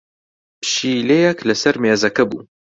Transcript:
پشیلەیەک لەسەر مێزەکە بوو.